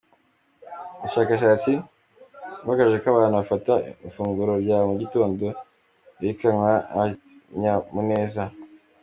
Ubushakashatsi bwagaragaje ko abantu bafata ifunguro rya mu gitondo biriranwa akanyamuneza.